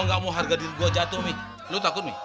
apa kagak takut